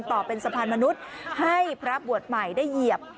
ต่อเป็นสะพานมนุษย์ให้พระบวชใหม่ได้เหยียบ